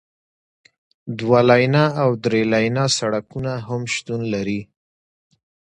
دوه لینه او درې لینه سړکونه هم شتون لري